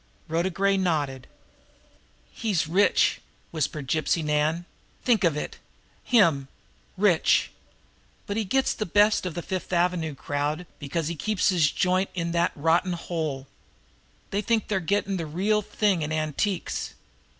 Rhoda Gray nodded. "He's rich!" whispered Gypsy Nan. "Think of it! Him rich! But he gets the best of the Fifth Avenue crowd just because he keeps his joint in that rotten hole. They think they're getting the real thing in antiques!